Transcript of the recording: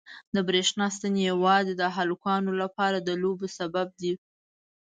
د برېښنا ستنې یوازې د هلکانو لپاره د لوبو سبب دي.